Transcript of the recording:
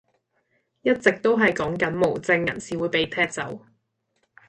一直都係講緊無證人士會被踢走